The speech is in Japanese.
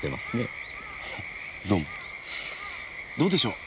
どうでしょう？